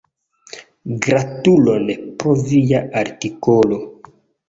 Gratulon pro via artikolo!